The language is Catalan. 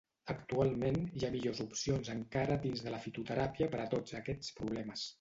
Actualment hi ha millors opcions encara dins de la fitoteràpia per a tots aquests problemes.